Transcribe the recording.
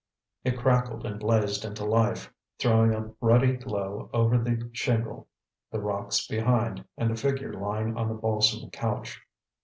It crackled and blazed into life, throwing a ruddy glow over the shingle, the rocks behind, and the figure lying on the balsam couch.